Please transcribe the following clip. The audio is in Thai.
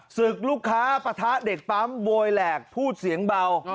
ศึกลูกค้าปะทะเด็กปั๊มโวยแหลกพูดเสียงเบา